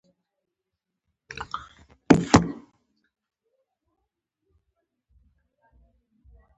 او زما خوښ ئې ځکه ستا خواله راځم ـ